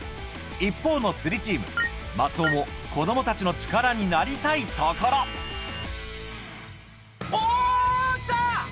一方の釣りチーム松尾も子どもたちの力になりたいところおきた！